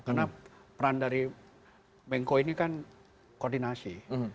karena peran dari menko ini kan koordinasi